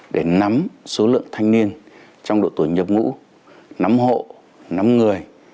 để nắm số lượng thanh niên trong độ tuổi nhập ngũ nắm hộ nắm người